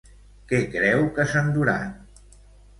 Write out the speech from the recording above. Què creu que s'enduran?